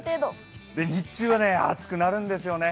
日中は暑くなるんですよね。